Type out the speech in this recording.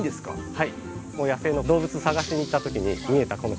はい。